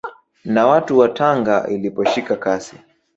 Na watu wa Tanga iliposhika kasi